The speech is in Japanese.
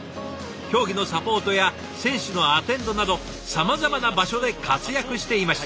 競技のサポートや選手のアテンドなどさまざまな場所で活躍していました。